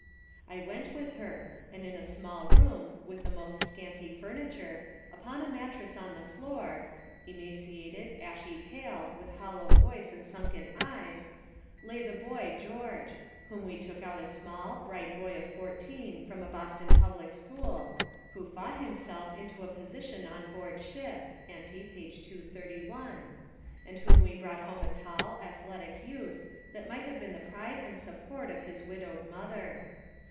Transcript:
I went with her, and in a small room, with the most scanty furniture, upon a mattress on the floor, emaciated, ashy pale, with hollow voice and sunken eyes, lay the boy George, whom we took out a small, bright boy of fourteen from a Boston public school, who fought himself into a position on board ship (ante, p. 231), and whom we brought home a tall, athletic youth, that might have been the pride and support of his widowed mother.